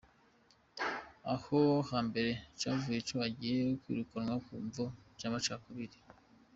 Aho ha mbere cavuga ko agiye kwirukanwa "ku mvo z'amacakubiri".